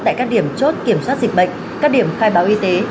tại các điểm chốt kiểm soát dịch bệnh các điểm khai báo y tế